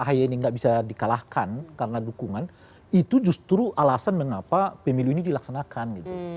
ahy ini nggak bisa dikalahkan karena dukungan itu justru alasan mengapa pemilu ini dilaksanakan gitu